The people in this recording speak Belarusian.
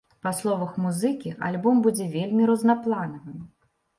Па словах музыкі, альбом будзе вельмі рознапланавым.